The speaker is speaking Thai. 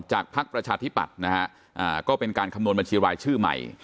พักประชาธิปัตย์นะฮะก็เป็นการคำนวณบัญชีรายชื่อใหม่